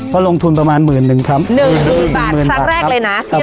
เพราะลงทุนประมาณหมื่นหนึ่งครับหนึ่งหมื่นบาทสักแรกเลยนะครับผม